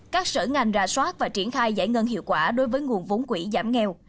các sở ngành ra soát và triển khai giải ngân hiệu quả đối với nguồn vốn quỹ giảm nghèo